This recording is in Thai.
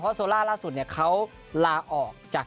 เพราะว่าโซล่าร่าสุดเขาร่าออกจาก